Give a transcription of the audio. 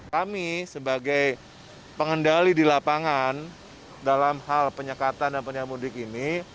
kami sebagai pengendali di lapangan dalam hal penyekatan dan penyerang mudik ini